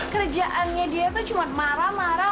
kerjaannya dia itu cuma marah marah